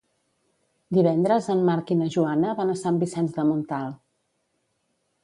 Divendres en Marc i na Joana van a Sant Vicenç de Montalt.